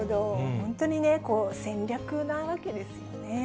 本当に戦略なわけですよね。